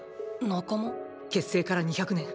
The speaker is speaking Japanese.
結成から２００年